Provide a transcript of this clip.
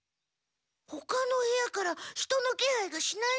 ほかの部屋から人の気配がしないんだけど。